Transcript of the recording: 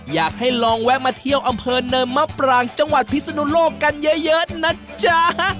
อยากให้ลองแวะมาเที่ยวอำเภอเนินมะปรางจังหวัดพิศนุโลกกันเยอะนะจ๊ะ